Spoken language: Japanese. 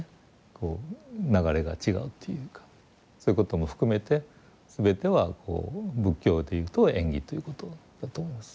こう流れが違うというかそういうことも含めて全ては仏教で言うと縁起ということだと思います。